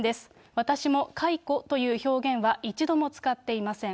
私も解雇という表現は一度も使っていません。